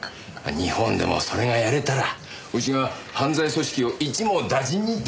日本でもそれがやれたらうちが犯罪組織を一網打尽に出来るんだけどね。